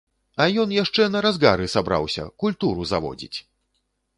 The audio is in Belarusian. А ён яшчэ на разгары сабраўся, культуру заводзіць!